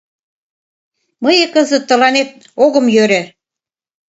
Мые кызыт тыланет огым йӧрӧ.